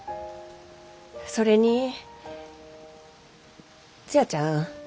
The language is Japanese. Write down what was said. それにツヤちゃん